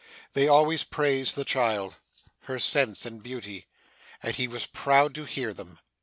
They always praised the child, her sense and beauty, and he was proud to hear them!